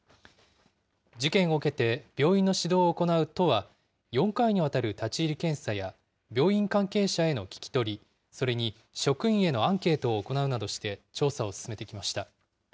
事件を受けて、病院の指導を行う都は、４回にわたる立ち入り検査や、病院関係者への聞き取り、それに職員へのアンケートを行うなどして調査を進めてきました。